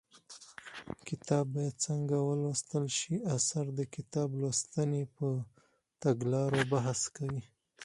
کتاب باید څنګه ولوستل شي اثر د کتاب لوستنې پر تګلارو بحث کوي